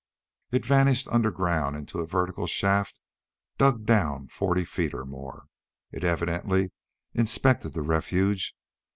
It vanished underground into a vertical shaft dug down forty feet or more. It evidently inspected the refuge.